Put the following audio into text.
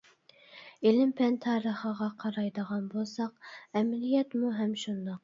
ئىلىم-پەن تارىخىغا قارايدىغان بولساق، ئەمەلىيەتمۇ ھەم شۇنداق.